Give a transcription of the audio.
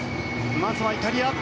まずは、イタリア。